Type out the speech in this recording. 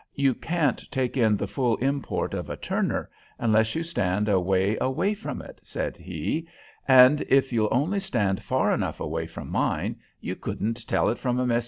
"You can't take in the full import of a Turner unless you stand a way away from it," said he, "and if you'll only stand far enough away from mine you couldn't tell it from a Meissonier."